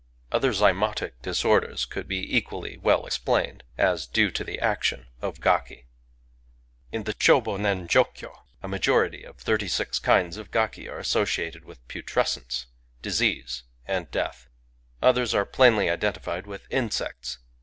Other zymotic disorders could be equally well explained as due to the action of gaki. In the Sh'bb'b nen'jO'ky'd a majority of the thirty sijL k^nds of g aki are associated with putrescence, disease, and death. Others are plainly identified with insects.